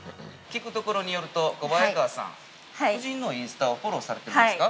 ◆聞くところによると、小早川さん夫人のインスタをフォローされてるんですか。